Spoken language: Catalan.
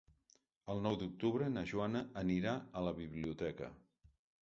El nou d'octubre na Joana anirà a la biblioteca.